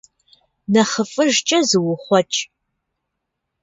Нэхъыфӏыжкӏэ зуухъуэкӏ.